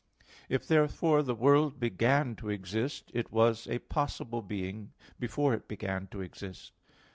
If therefore the world began to exist, it was a possible being before it began to exist.